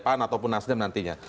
pan ataupun nasdem nantinya